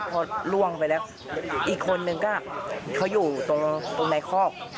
พอล่วงไปแล้วอีกคนนึงก็เขาอยู่ตรงในคอก